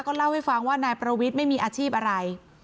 เล่าให้ฟังว่านายประวิทย์ไม่มีอาชีพอะไร